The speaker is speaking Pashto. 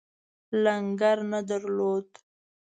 لنګر نه درلود.